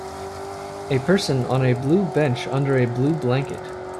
A person on a blue bench under a blue blanket.